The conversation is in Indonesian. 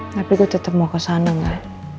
tapi gue tetep mau ke sana enggak